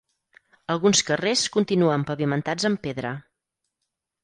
Alguns carrers continuen pavimentats amb pedra.